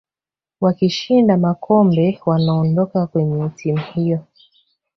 wakishinda makombe wanaondoka kwenye timu hiyo